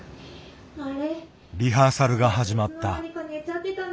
リハーサルが始まった。